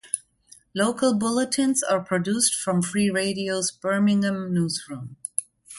Local bulletins are produced from Free Radio's Birmingham newsroom.